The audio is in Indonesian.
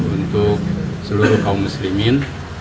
untuk seluruh kaum muslimin